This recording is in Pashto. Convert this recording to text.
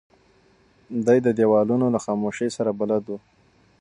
دی د دیوالونو له خاموشۍ سره بلد و.